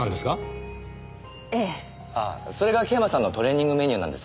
ああそれが桂馬さんのトレーニングメニューなんです。